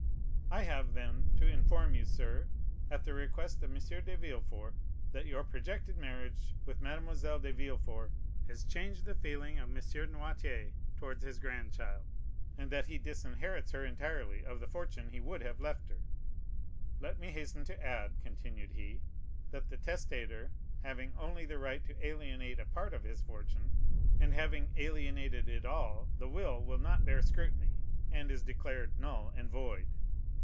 "I have, then, to inform you, sir, at the request of M. de Villefort, that your projected marriage with Mademoiselle de Villefort has changed the feeling of M. Noirtier towards his grandchild, and that he disinherits her entirely of the fortune he would have left her. Let me hasten to add," continued he, "that the testator, having only the right to alienate a part of his fortune, and having alienated it all, the will will not bear scrutiny, and is declared null and void."